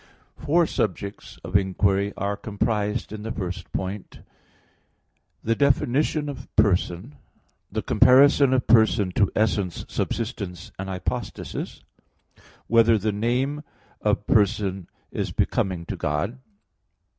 Four subjects of inquiry are comprised in the first point: (1) The definition of "person." (2) The comparison of person to essence, subsistence, and hypostasis. (3) Whether the name of person is becoming to God?